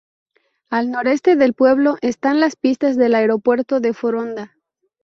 Al noroeste del pueblo están las pistas del aeropuerto de Foronda.